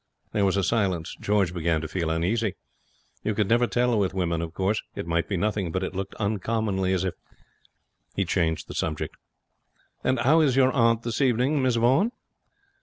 There was a silence. George began to feel uneasy. You could never tell with women, of course. It might be nothing; but it looked uncommonly as if He changed the subject. 'How is your aunt this evening, Miss Vaughan?'